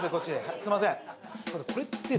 すいません。